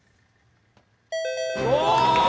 お！